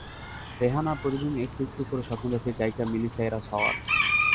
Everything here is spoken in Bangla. রেহানা প্রতিদিন একটু একটু করে স্বপ্ন দেখে গায়িকা মিলি সাইরাস হওয়ার।